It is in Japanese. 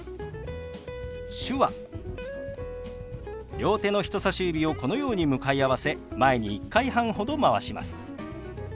両手の人さし指をこのように向かい合わせ前に１回半ほどまわします。